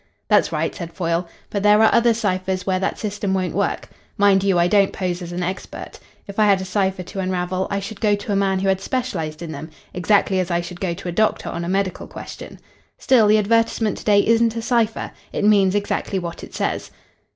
"That's right," said Foyle. "But there are other ciphers where that system won't work. Mind you, I don't pose as an expert. If I had a cipher to unravel, I should go to a man who had specialised in them, exactly as I should go to a doctor on a medical question. Still, the advertisement to day isn't a cipher. It means exactly what it says."